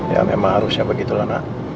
ya memang harusnya begitu lah nak